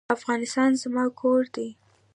افغانستان زما کور دی.